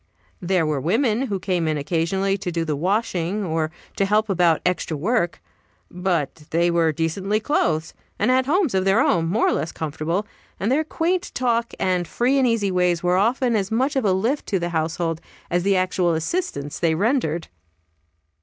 There were women who came in occasionally to do the washing, or to help about extra work. But they were decently clothed, and had homes of their own, more or less comfortable, and their quaint talk and free and easy ways were often as much of a lift to the household as the actual assistance they rendered.